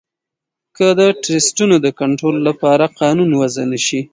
که د ټرسټونو د کنترول لپاره قانون وضعه نه شي